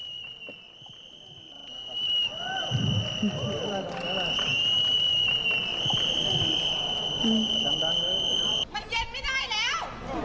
ดูนี่ดูรถผมนี่